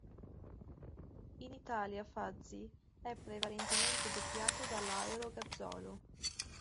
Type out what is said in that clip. In Italia "Fuzzy" è prevalentemente doppiato da Lauro Gazzolo.